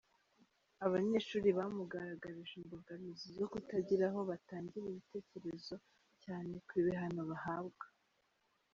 Abanyeshuli bamugaragarije imbogamizi zo kutagira aho batangira ibitekerezo cyane ku bihano bahabwa.